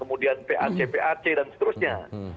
kemudian pac pac dan seterusnya